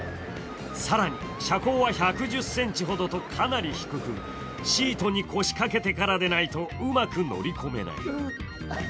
更に車高は１１０ｃｍほどとかなり低く、シートに腰かけてからでないとうまく乗り込めない。